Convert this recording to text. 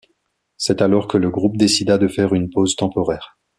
C'est alors que le groupe décida de faire une pause temporaire.